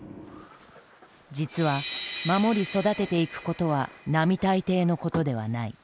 実は守り育てていくことは並大抵のことではない。